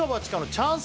チャンス